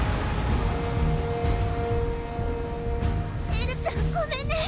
エルちゃんごめんね